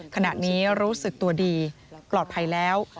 ขณะนี้รู้สึกตัวดีปลอดภัยแล้ว